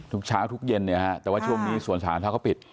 ทุกเช้าทุกเย็นแต่ว่าช่วงนี้ส่วนศาลท่าเขาปิด